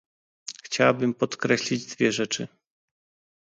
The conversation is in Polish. Chciałabym podkreślić dwie rzeczy